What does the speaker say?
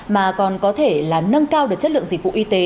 mà còn có thể là nâng cao được chất lượng dịch vụ y tế